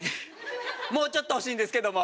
もうちょっと欲しいんですけども。